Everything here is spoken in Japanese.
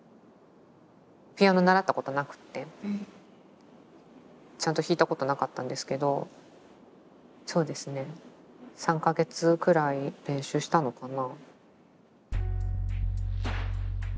ピアノ習ったことなくてちゃんと弾いたことなかったんですけどそうですね３か月くらい練習したのかな。